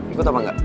ikut apa engga